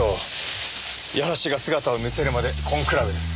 矢橋が姿を見せるまで根比べです。